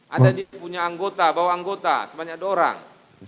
ada di punya anggota bawah anggota sebanyak ada orang